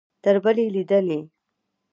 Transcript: تر بلې لیدنې؟